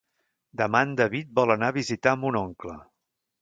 Demà en David vol anar a visitar mon oncle.